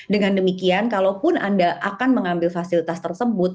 dengan demikian kalaupun anda akan mengambil fasilitas tersebut